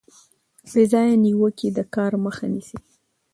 بې ځایه نیوکې د کار مخه نیسي.